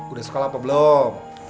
udah sekolah apa belum